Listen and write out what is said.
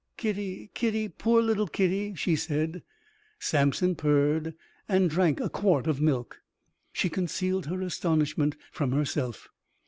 "Kitty, kitty, poor little kitty," she said. Samson purred and drank a quart of milk. She concealed her astonishment from herself.